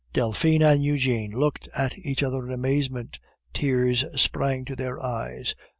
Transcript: Delphine and Eugene looked at each other in amazement, tears sprang to their eyes.